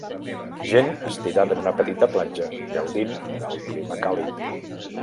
Gent estirada en una petita platja gaudint del clima càlid.